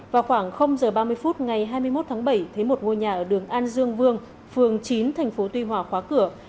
vào khoảng h ba mươi phút ngày hai mươi một tháng bảy thấy một ngôi nhà ở đường an dương vương phường chín thành phố tuy hòa khóa cửa